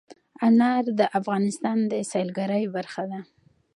انار د افغانستان د سیلګرۍ برخه ده.